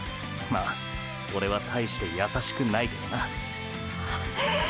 まオレは大して優しくないけどな。っ！！